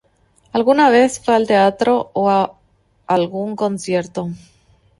Alguna vez fue al teatro o a algún concierto.